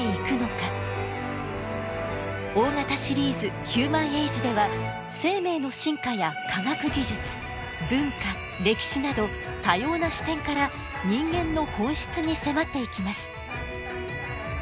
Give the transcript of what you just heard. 大型シリーズ「ヒューマン・エイジ」では生命の進化や科学技術文化歴史など多様な視点から人間の本質に迫っていきます。